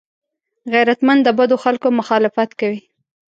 غیرتمند د بدو خلکو مخالفت کوي